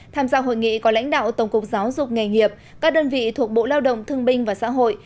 tham gia hội nghị có lãnh đạo tổng cục giáo dục nghề nghiệp các đơn vị thuộc bộ lao động thương binh và xã hội